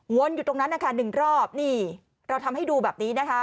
อยู่ตรงนั้นนะคะหนึ่งรอบนี่เราทำให้ดูแบบนี้นะคะ